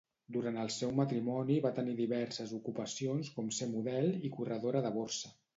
Durant el seu matrimoni va tenir diverses ocupacions com ser model i corredora de borsa.